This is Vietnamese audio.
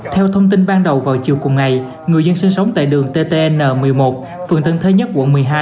theo thông tin ban đầu vào chiều cùng ngày người dân sinh sống tại đường ttn một mươi một phường tân thới nhất quận một mươi hai